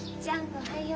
おはよう。